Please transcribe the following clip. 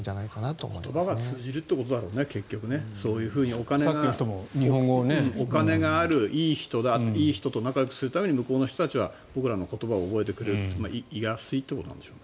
言葉が通じるということだろうねお金がある、いい人だいい人と仲よくするために向こうの人たちは僕らの言葉を覚えてくれるといういやすいということなんでしょうね。